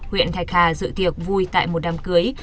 huyện thạch hà dự tiệc vui tại một đám cưới